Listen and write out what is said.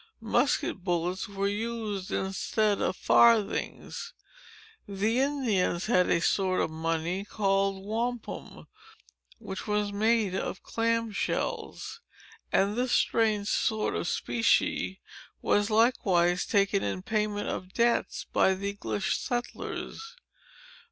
Musket bullets were used instead of farthings. The Indians had a sort of money, called wampum, which was made of clam shells; and this strange sort of specie was likewise taken in payment of debts, by the English settlers.